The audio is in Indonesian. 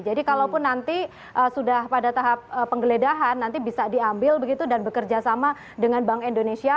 jadi kalaupun nanti sudah pada tahap penggeledahan nanti bisa diambil begitu dan bekerja sama dengan bank indonesia